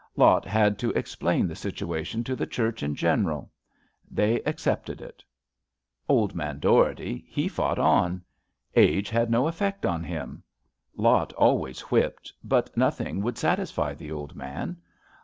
Lot had to explain the situation to the church in general. They accepted it. 44 ABAFT THE FUNNEL Old man Dougherty he fought on. Age had no effect on him. Lot always whipped, but noth ing would satisfy the old man.